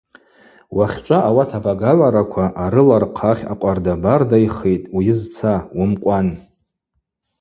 Уахьчӏва ауат Абагагӏвараква арыла рхъахь акъвардабарда йхитӏ, уйызца, уымкъван.